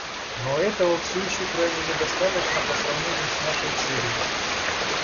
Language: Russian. Но этого все еще крайне недостаточно по сравнению с нашей целью.